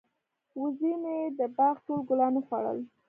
وزې مې د باغ ټول ګلان وخوړل.